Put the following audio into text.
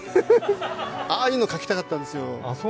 ああいうの書きたかったんですよ。